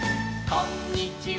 「こんにちは」「」